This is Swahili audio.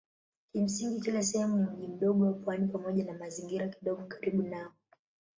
Kimsingi kila sehemu ni mji mdogo wa pwani pamoja na mazingira kidogo karibu nao.